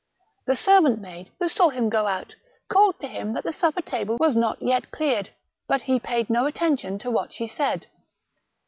The servant maid, who saw him go out, called to him that the supper table was not yet cleared, but he paid no attention to what she said.